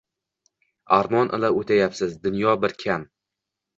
Аrmon ila oʼtayapmiz, dunyo bir kam